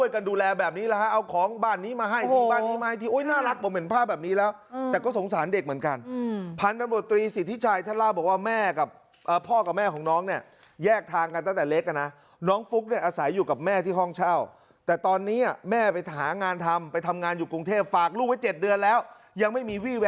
กันดูแลแบบนี้แล้วเอาของบ้านนี้มาให้บ้านนี้มาให้ทีน่ารักผมเห็นภาพแบบนี้แล้วแต่ก็สงสารเด็กเหมือนกันพันธรรมดรีสิทธิชายท่านลาบอกว่าพ่อกับแม่ของน้องเนี่ยแยกทางกันตั้งแต่เล็กนะน้องฟลุ๊กเนี่ยอาศัยอยู่กับแม่ที่ห้องเช่าแต่ตอนนี้อ่ะแม่ไปหางานทำไปทำงานอยู่กรุงเทพฝากลูกไว้เจ็